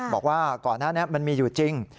บอกว่าก่อนหน้านี้มันมีอยู่จริง